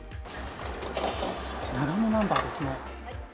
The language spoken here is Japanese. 長野ナンバーですね。